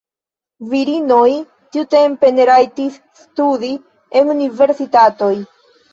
Virinoj tiutempe ne rajtis studi en universitatoj.